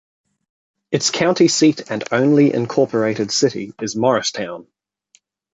Its county seat and only Incorporated city is Morristown.